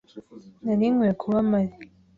Nari nkwiye kuba mpari.